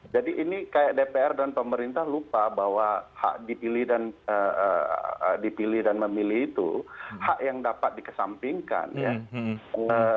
jadi ini kayak dpr dan pemerintah lupa bahwa hak dipilih dan memilih itu hak yang dapat dikesampingkan ya